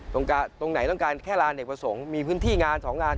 ตรงไหนต้องการแค่ลานเนกประสงค์มีพื้นที่งาน๒งาน